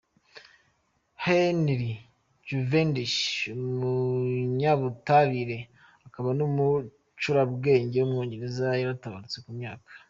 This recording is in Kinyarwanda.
Henry Cavendish, umunyabutabire, akaba n’umucurabwenge w’umwongereza yaratabarutse, ku myaka .